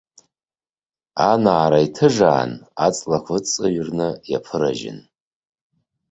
Анаара иҭыжаан, аҵлақәа ыҵыҩрны иаԥыражьын.